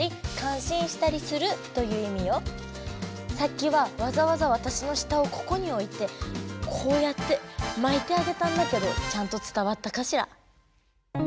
さっきはわざわざわたしの舌をここにおいてこうやって巻いてあげたんだけどちゃんと伝わったかしら？